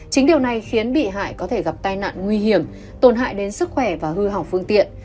chính điều này khiến bị hại có thể gặp tai nạn nguy hiểm tổn hại đến sức khỏe và hư hỏng phương tiện